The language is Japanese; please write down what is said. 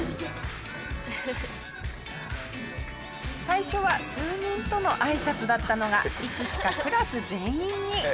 最初は数人とのあいさつだったのがいつしかクラス全員に。